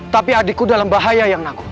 tapi adikku dalam bahaya yang naku